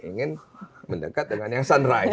ingin mendekat dengan yang sunrise